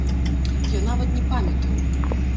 Я нават не памятаю!